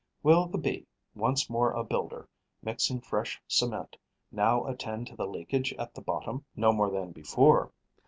Will the Bee, once more a builder, mixing fresh cement, now attend to the leakage at the bottom? No more than before.